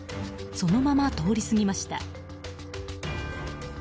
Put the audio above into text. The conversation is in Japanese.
そのまま通り過ぎました。